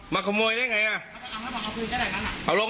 มาขโมยขวาง